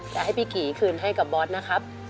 จะให้พี่กี่คืนให้กับบอสนะครับ